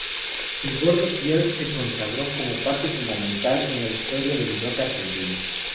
El gordo Pierre se consagró como parte fundamental en la historia del rock argentino.